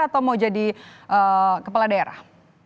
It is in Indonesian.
atau mau jadi kepala daerah